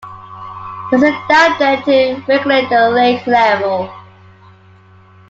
There is a dam there to regulate the lake level.